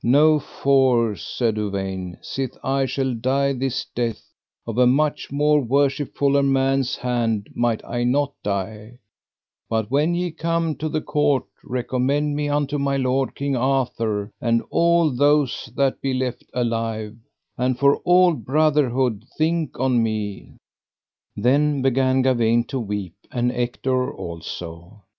No force, said Uwaine, sith I shall die this death, of a much more worshipfuller man's hand might I not die; but when ye come to the court recommend me unto my lord, King Arthur, and all those that be left alive, and for old brotherhood think on me. Then began Gawaine to weep, and Ector also.